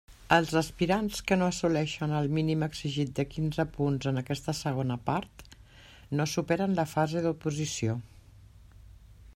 Els aspirants que no assoleixen el mínim exigit de quinze punts en aquesta segona part, no superen la fase d'oposició.